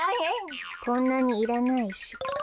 こんなにいらないし。